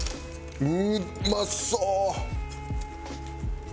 うまそう！